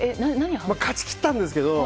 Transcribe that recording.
勝ち切ったんですけど